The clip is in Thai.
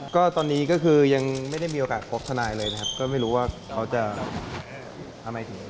ก็ตอนนี้ก็คือยังไม่ได้มีโอกาสพบทนายเลยนะครับก็ไม่รู้ว่าเขาจะทำไมถึง